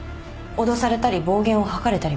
脅されたり暴言を吐かれたりは？